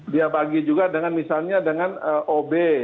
dia bagi juga dengan misalnya dengan ob